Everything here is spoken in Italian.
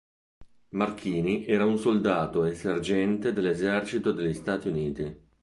Marchini era un soldato e sergente dell'esercito degli Stati Uniti.